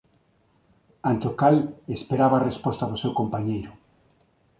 Ante o cal esperaba a resposta do seu compañeiro.